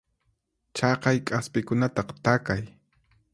Chaqay k'aspikunata takay.